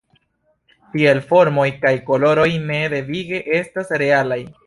Tiel formoj kaj koloroj ne devige estas realaj.